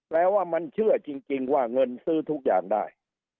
แปลว่ามันเชื่อจริงว่าเงินซื้อทุกอย่างได้